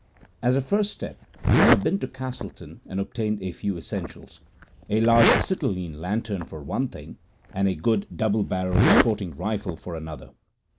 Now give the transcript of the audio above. As a first step I have been to Castleton and obtained a few essentials a large acetylene lantern for one thing, and a good double barrelled sporting rifle for another.